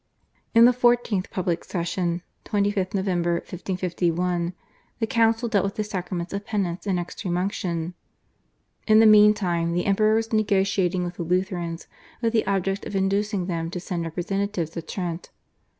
In the 14th public session (25th Nov. 1551) the council dealt with the sacraments of Penance and Extreme Unction. In the meantime the Emperor was negotiating with the Lutherans with the object of inducing them to send representatives to Trent.